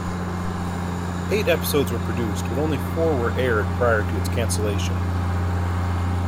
Eight episodes were produced, but only four were aired prior to its cancellation.